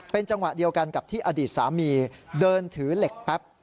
เป็นจังหวะเดียวกันกับที่อดีตสามีเดินถือเหล็กแป๊บ